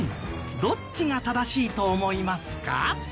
どっちが正しいと思いますか？